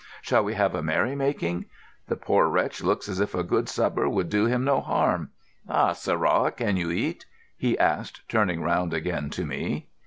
Shall we have a merry making? The poor wretch looks as if a good supper would do him no harm. Hi, sirrah, can you eat?" he asked, turning round again to me.